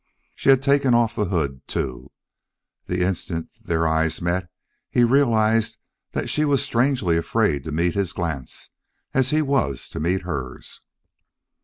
She had taken off the hood, too. The instant there eyes met he realized that she was strangely afraid to meet his glance, as he was to meet hers.